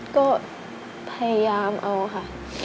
ก็พยายามเอาค่ะ